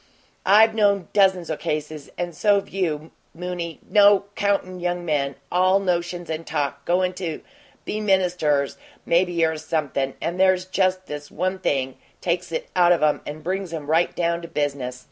I've known dozens o' cases, and so've you moony, no 'count young men, all notions and talk, goin' to be ministers, maybe or something; and there's just this one thing takes it out of 'em and brings 'em right down to business.